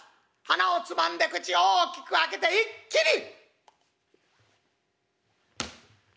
鼻をつまんで口を大きく開けて一気に！」。